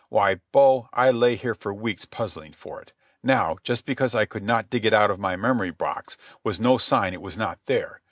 Why, bo, I lay here for weeks puzzling for it. Now, just because I could not dig it out of my memory box was no sign it was not there.